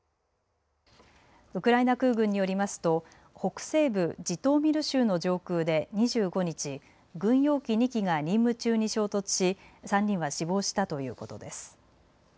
ウクライナ空軍によりますと北西部ジトーミル州の上空で２５日、軍用機２機が任務中に衝突し３人は死亡したということです。